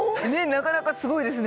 なかなかすごいですね。